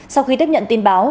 sau khi tiếp nhận tin báo